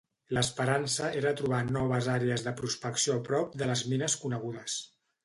L'esperança era trobar noves àrees de prospecció a prop de les mines conegudes.